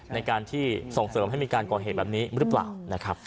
ในการที่ส่งเสริมให้มีการก่อเหตุแบบนี้หรือเปล่านะครับ